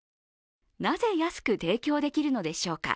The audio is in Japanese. なぜ安く提供できるのでしょうか。